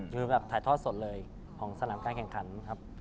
คือแบบถ่ายทอดสดเลยของสนามการแข่งขันครับ